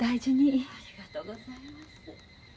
ありがとうございます。